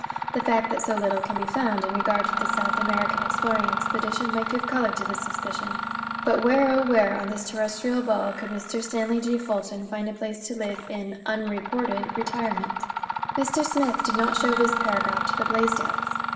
The fact that so little can be found in regard to the South American exploring expedition might give color to this suspicion; but where on this terrestrial ball could Mr. Stanley G. Fulton find a place to live in unreported retirement? Mr. Smith did not show this paragraph to the Blaisdells.